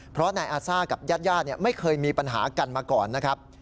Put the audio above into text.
เพราะนายอาซ่ากับญาติญาติไม่เคยมีปัญหากันมาก่อนนะครับ